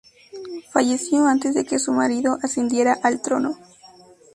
Falleció antes de que su marido ascendiera al trono.